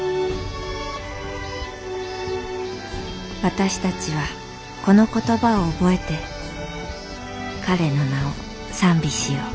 私たちはこの言葉を覚えて彼の名を賛美しよう」。